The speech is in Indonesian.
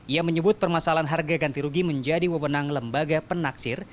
ia menyebut permasalahan harga ganti rugi menjadi wewenang lembaga penaksir